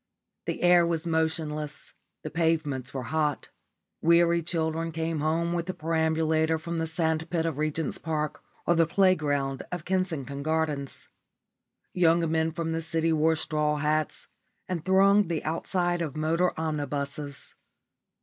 The air was motionless, the pavements were hot. Weary children came home with the perambulator from the sand pit of Regent's Park or the playground of Kensington Gardens. Young men from the city wore straw hats and thronged the outside of motor omnibuses.